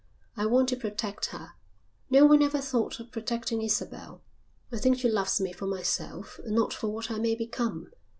I want to protect her. No one ever thought of protecting Isabel. I think she loves me for myself and not for what I may become.